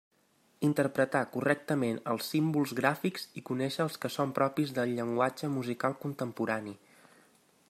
Interpretar correctament els símbols gràfics i conéixer els que són propis del llenguatge musical contemporani.